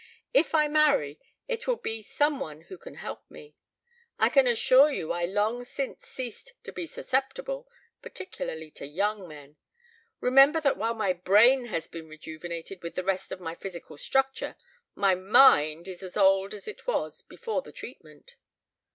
If I marry it will be some one who can help me. I can assure you I long since ceased to be susceptible, particularly to young men. Remember that while my brain has been rejuvenated with the rest of my physical structure, my mind is as old as it was before the treatment."